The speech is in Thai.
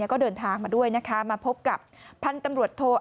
ก็เดินทางมาด้วยนะคะมาพบกับพันธุ์ตำรวจโท